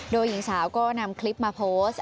โดยหญิงสาวก็นำคลิปมาโพสต์